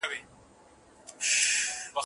د ځوانۍ عمر چي تېر سي بیا په بیرته نه راځینه